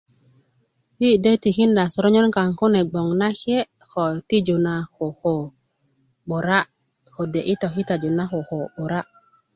yi de tikinda sornyön kaŋ kune bgoŋ na nake ko tiju na koko 'bura kode i tokitaju na koko 'bura